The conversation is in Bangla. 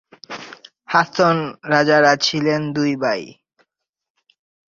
হাছন রাজারা ছিলেন দুই ভাই।